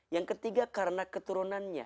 yang ketiga karena keturunannya